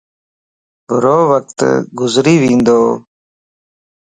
ڀرووقت گذري وندو